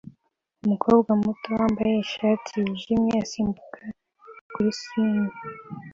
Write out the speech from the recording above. Umukobwa muto wambaye ishati yijimye asimbuka kuri swing